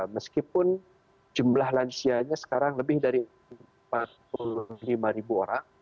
meskipun jumlah lansianya sekarang lebih dari empat puluh lima ribu orang